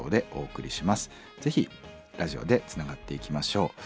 ぜひラジオでつながっていきましょう。